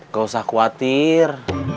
gak usah khawatir